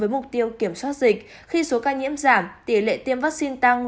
với mục tiêu kiểm soát dịch khi số ca nhiễm giảm tỷ lệ tiêm vaccine tăng